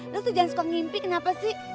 lo tuh jangan suka ngimpi kenapa sih